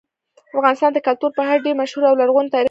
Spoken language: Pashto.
افغانستان د کلتور په اړه ډېر مشهور او لرغوني تاریخی روایتونه لري.